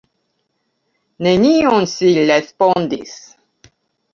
"Nenion," ŝi respondis.